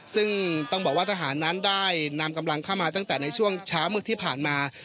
ซึ่งต้องบอกว่าทหารนั้นได้นำกำลังเข้ามาตั้งแต่ในช่วงเช้ามืดที่ผ่านมา